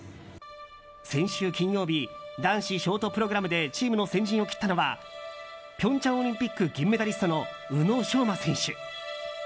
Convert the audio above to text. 先週金曜日男子ショートプログラムでチームの先陣を切ったのは平昌オリンピック銀メダリストの宇野昌磨選手。